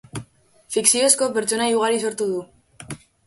Fikziozko pertsonai ugari sortu du.